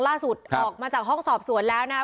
ล่าสุดออกมาจากห้องสอบสวนแล้วนะครับ